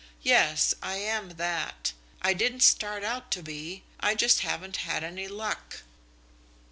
"Yes, I am that. I didn't start out to be. I just haven't had any luck."